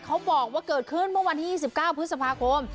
เขาบอกว่าเกิดขึ้นเมื่อวันที่๒๙พฤษภาคม